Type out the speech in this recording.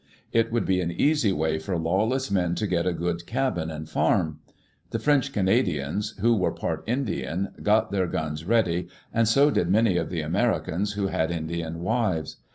It would be an easy way for lawless men to get a good cabin and farm. The French Canadians, who were part Indian, got their guns ready, and so did many of the Americans who had Indian wives.